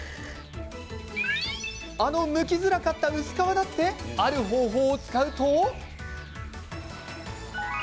あの、むきづらかった薄皮だってある方法を使うと。